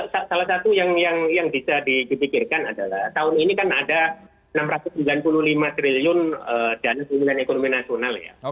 salah satu yang bisa dipikirkan adalah tahun ini kan ada rp enam ratus sembilan puluh lima triliun dana pemulihan ekonomi nasional ya